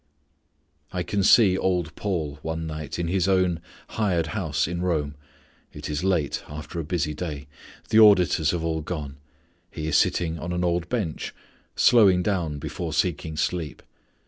I can see old Paul one night in his own hired house in Rome. It is late, after a busy day; the auditors have all gone. He is sitting on an old bench, slowing down before seeking sleep.